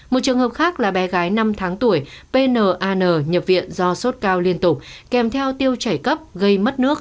một trường hợp khác là bé gái năm tháng tuổi pnanh nhập viện do sốt cao liên tục kèm theo tiêu chảy cấp gây mất nước